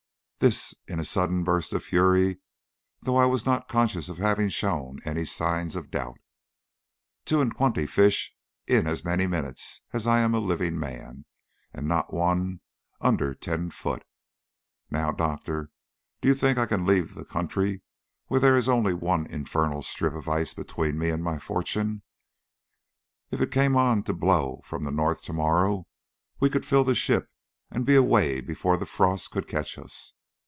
this in a sudden burst of fury, though I was not conscious of having shown any signs of doubt. "Two and twenty fish in as many minutes as I am a living man, and not one under ten foot. Now, Doctor, do you think I can leave the country when there is only one infernal strip of ice between me and my fortune? If it came on to blow from the north to morrow we could fill the ship and be away before the frost could catch us.